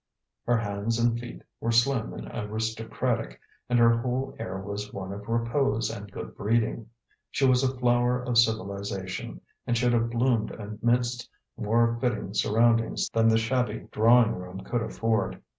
Her hands and feet were slim and aristocratic, and her whole air was one of repose and good breeding. She was a flower of civilization, and should have bloomed amidst more fitting surroundings than the shabby drawing room could afford.